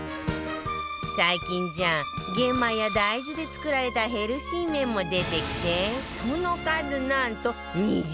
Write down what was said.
最近じゃ玄米や大豆で作られたヘルシー麺も出てきてその数